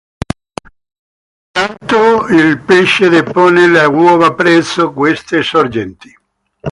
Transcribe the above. Pertanto, il pesce depone le uova presso queste sorgenti.